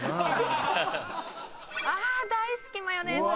ああ大好きマヨネーズも。